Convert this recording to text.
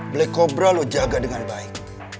black cobra lo jaga dengan baik